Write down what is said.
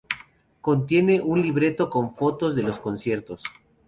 Contiene un libreto con fotos de los conciertos.